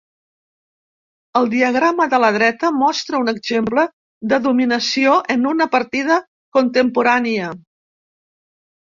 El diagrama de la dreta mostra un exemple de dominació en una partida contemporània.